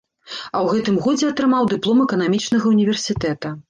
А ў гэтым годзе атрымаў дыплом эканамічнага ўніверсітэта.